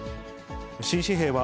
新紙幣は、